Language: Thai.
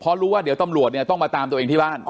เพราะรู้ว่าเดี๋ยวตำรวจเนี่ยต้องมาตามตัวเองที่บ้าน